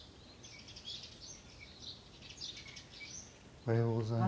おはようございます。